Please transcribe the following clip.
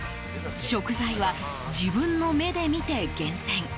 食材は自分の目で見て厳選。